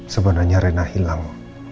sebenarnya rena hilang